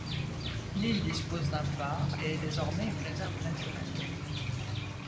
L'île dispose d'un phare et est désormais une réserve naturelle.